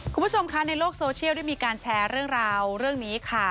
คุณผู้ชมคะในโลกโซเชียลได้มีการแชร์เรื่องราวเรื่องนี้ค่ะ